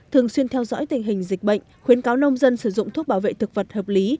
thường xuyên theo dõi tình hình dịch bệnh khuyến cáo nông dân sử dụng thuốc bảo vệ thực vật hợp lý